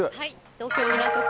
東京・港区